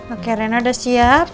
oke rena udah siap